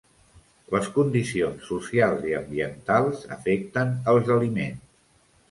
Les condicions socials i ambientals afecten els aliments.